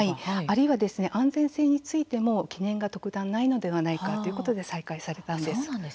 あるいは安全性についても懸念が特段ないのではないかということで再開されたんです。